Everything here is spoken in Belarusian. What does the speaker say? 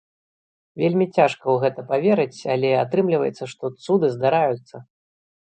Вельмі цяжка ў гэта паверыць, але атрымліваецца, што цуды здараюцца!!!